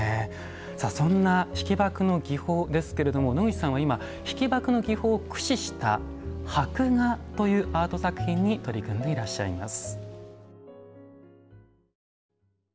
さあそんな引箔の技法ですけれども野口さんは今引箔の技法を駆使した「箔画」というアート作品に取り組んでいらっしゃいます。